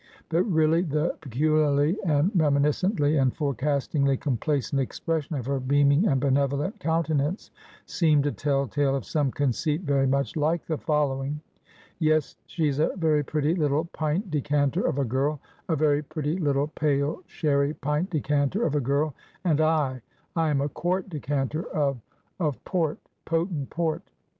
But really, the peculiarly, and reminiscently, and forecastingly complacent expression of her beaming and benevolent countenance, seemed a tell tale of some conceit very much like the following: Yes, she's a very pretty little pint decanter of a girl: a very pretty little Pale Sherry pint decanter of a girl; and I I'm a quart decanter of of Port potent Port!